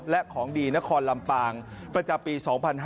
และของดีนครลำปางประจำปี๒๕๕๙